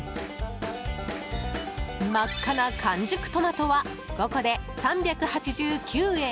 真っ赤な完熟トマトは５個で３８９円。